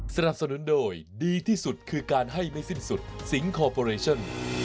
สนับสนุนโดยดีที่สุดคือการให้ไม่สิ้นสุดสิงคอร์ปอเรชั่น